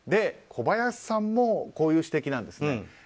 小林さんもこういう指摘なんです。